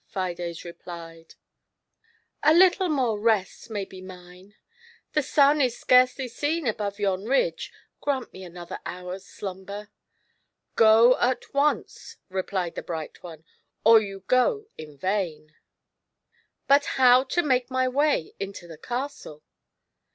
Fides replied; "a GIANT SLOTH. little more rest may be mine ! The sun is scarcely aeeii above yon ridge; grant me another hour's slumber," "Go at once," replied the bright one, "or you go in " But how make my way into the castle